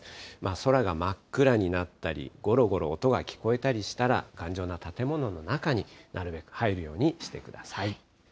空が真っ暗になったり、ごろごろ音が聞こえたりしたら、頑丈な建物の中になるべく入るようにしてください。